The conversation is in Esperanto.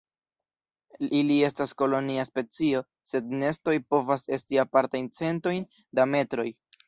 Ili estas kolonia specio, sed nestoj povas esti apartaj centojn da metroj.